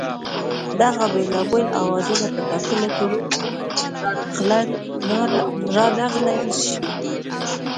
دغه بېلابېل آوازونه په ټاکلو تورو کې رانغاړلای نه شي